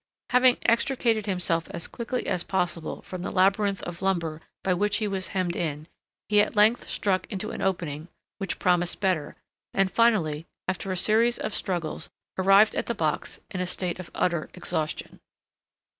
Having extricated himself as quickly as possible from the labyrinth of lumber by which he was hemmed in, he at length struck into an opening which promised better, and finally, after a series of struggles, arrived at the box in a state of utter exhaustion.